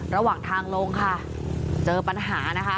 ระหว่างทางลงค่ะเจอปัญหานะคะ